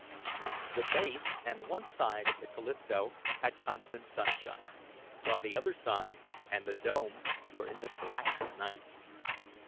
The base and one side of the Callisto had constant sunshine, while the other side and the dome were in the blackest night.